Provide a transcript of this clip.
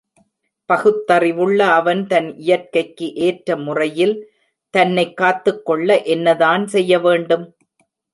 பகுத்தறிவுள்ள அவன் தன் இயற்கைக்கு ஏற்ற முறையில் தன்னைக் காத்துக்கொள்ள என்ன தான் செய்யவேண்டும்?